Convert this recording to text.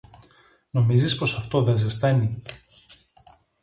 Νομίζεις πως αυτό δε ζεσταίνει;